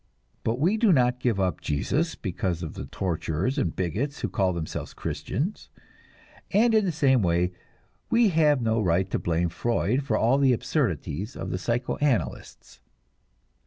But we do not give up Jesus because of the torturers and bigots who call themselves Christians, and in the same way we have no right to blame Freud for all the absurdities of the psychoanalysts.